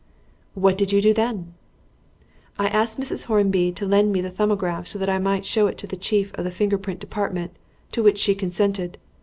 "What did you do then?" "I asked Mrs. Hornby to lend me the 'Thumbograph' so that I might show it to the Chief of the Finger print Department, to which she consented.